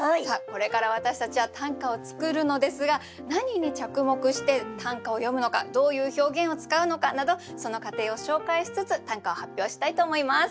これから私たちは短歌を作るのですが何に着目して短歌を詠むのかどういう表現を使うのかなどその過程を紹介しつつ短歌を発表したいと思います。